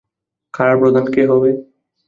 কারাপ্রধান কে হবে?